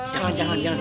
jangan jangan jangan